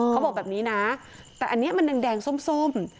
เขาบอกแบบนี้นะแต่อันนี้มันแดงส้ม